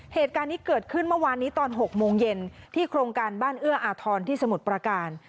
เหตุการณ์นี้เกิดขึ้นเมื่อวานนี้ตอน๖โมงเย็นที่โครงการบ้านเอื้ออาทรที่สมุทรประการ